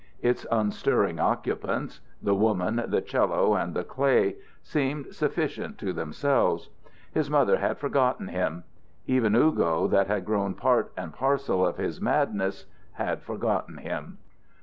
Its unstirring occupants, the woman, the 'cello, and the clay, seemed sufficient to themselves. His mother had forgotten him. Even "Ugo," that had grown part and parcel of his madness, had forgotten him.